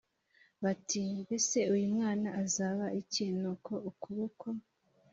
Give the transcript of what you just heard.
bati mbese uyu mwana azaba iki nuko ukuboko